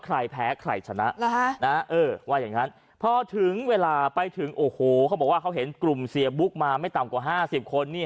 ใครแพ้ใครชนะว่าอย่างนั้นพอถึงเวลาไปถึงโอ้โหเขาบอกว่าเขาเห็นกลุ่มเสียบุ๊กมาไม่ต่ำกว่า๕๐คน